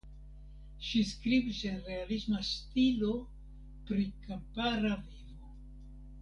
Ŝi skribis en realisma stilo pri kampara vivo.